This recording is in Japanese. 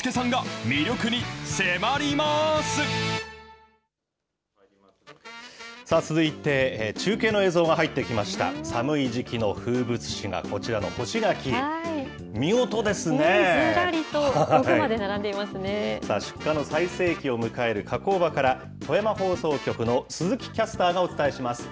ずらりと、奥まで並んでいまさあ、出荷の最盛期を迎える加工場から、富山放送局の鈴木キャスターがお伝えします。